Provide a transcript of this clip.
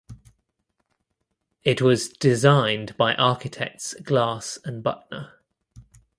It was designed by architects Glass and Butner.